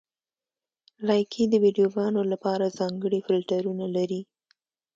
لایکي د ویډیوګانو لپاره ځانګړي فېلټرونه لري.